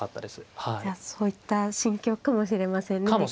じゃあそういった心境かもしれませんね